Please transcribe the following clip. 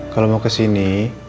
kalau mau kesini